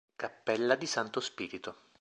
Cappella di Santo Spirito